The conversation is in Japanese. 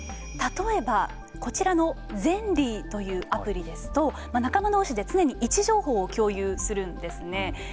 例えばこちらのＺｅｎｌｙというアプリですと、仲間どうしで常に位置情報を共有するんですね。